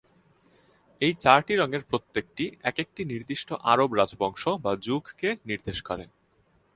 এই চারটি রঙের প্রত্যেকটি একেকটি নির্দিষ্ট আরব রাজবংশ বা যুগকে নির্দেশ করে।